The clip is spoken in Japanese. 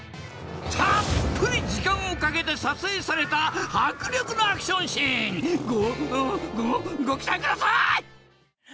たっぷり時間をかけて撮影された迫力のアクションシーンごごご期待ください！